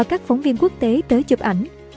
các phóng viên quốc tế tới chụp ảnh